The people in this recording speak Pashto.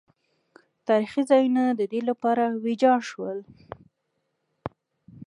تاریخي ځایونه د دې لپاره ویجاړ شول.